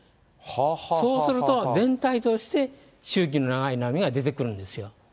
そうすると、全体として周期の長い波が出てくるんですよ。